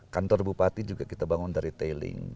kantor bupati juga kita bangun dari tailing